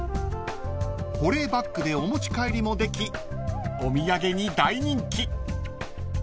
［保冷バッグでお持ち帰りもできお土産に大人気］